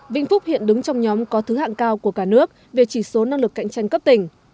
vĩnh phúc hiện đứng trong nhóm có thứ hạng cao của cả nước về chỉ số năng lực cạnh tranh cấp tỉnh